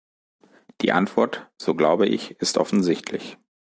Die Antwort, so glaube ich, ist offensichtlich.